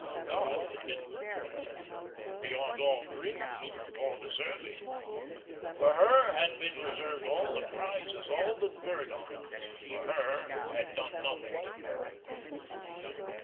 God had been good to her, beyond all dreams and all deserving. For her had been reserved all the prizes, all the guerdons; for her who had done nothing to merit them.